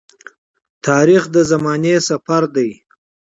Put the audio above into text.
تاریخ د زمانې سفر دی.